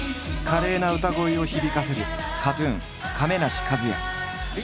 華麗な歌声を響かせるＫＡＴ−ＴＵＮ亀梨和也。